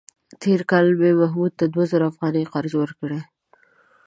تېر کال مې محمود ته دوه زره افغانۍ قرض ورکړې.